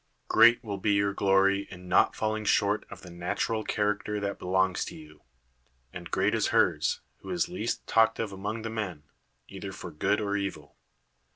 Great will be your glory in not falling short of the natural charac ter that belongs to you; and great is hers, who is least talked of among the men, either for good or evil.